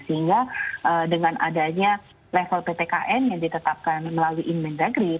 sehingga dengan adanya level ppkm yang ditetapkan melalui inmen dagri